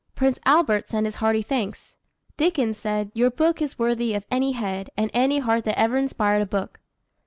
Prince Albert sent his hearty thanks. Dickens said, "Your book is worthy of any head and any heart that ever inspired a book."